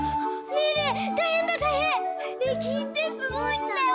ねえきいてすごいんだよ！